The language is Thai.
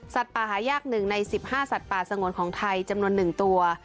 สัตว์ป่าหายากหนึ่งในสิบห้าสัตว์ป่าสงวนของไทยจำนวนหนึ่งตัว